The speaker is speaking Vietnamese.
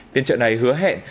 phiên trợ này hứa hẹn